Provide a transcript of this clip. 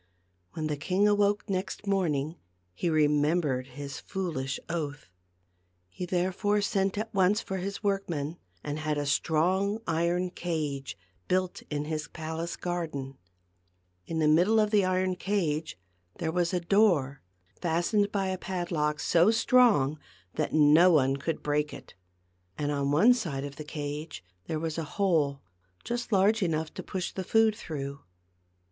When the king awoke next morning he remem bered his foolish oath. He therefore sent at once for his workmen, and had a strong iron cage built in his palace garden. In the middle of the iron cage there was a door fastened by a 258 THE GLASS MOUNTAIN. padlock so strong that no one could break it. And on one side of the cage there was a hole just large enough to push the food through.